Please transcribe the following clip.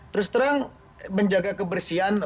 terus terang menjaga kebersihan